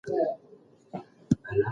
د لیلیې چاپیریال ډیر خوندي او پاک دی.